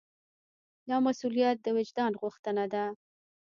دا مسوولیت د وجدان غوښتنه ده.